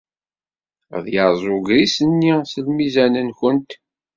Ad yerreẓ ugris-nni s lmizan-nwent.